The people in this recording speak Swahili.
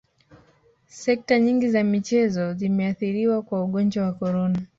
sekta nyingi za michezo zimeathiriwa kwa ugonjwa wa corona